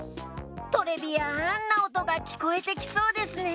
トレビアンなおとがきこえてきそうですね。